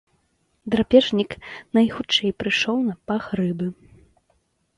Драпежнік найхутчэй прыйшоў на пах рыбы.